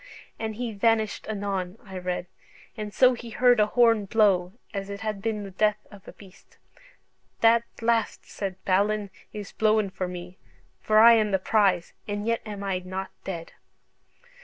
"And he vanished anon," I read: "and so he heard an horne blow, as it had been the death of a beast. 'That blast,' said Balin, 'is blowen for me, for I am the prize, and yet am I not dead.'"